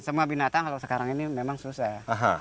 semua binatang kalau sekarang ini memang susah ya